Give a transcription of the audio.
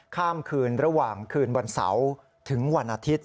ข้ามคืนระหว่างคืนวันเสาร์ถึงวันอาทิตย์